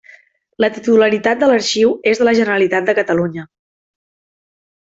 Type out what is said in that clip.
La titularitat de l'Arxiu és de la Generalitat de Catalunya.